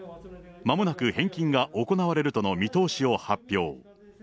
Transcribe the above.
まもなく返金が行われるとの見通しを発表。